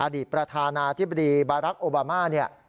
อดีตประธานาธิบดีบารักษ์โอบามา